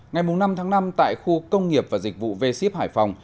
ngày năm tháng năm tại khu công nghiệp và dịch vụ v ship hải phòng